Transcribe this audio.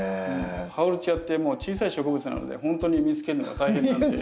ハオルチアってもう小さい植物なのでほんとに見つけるのが大変なんで。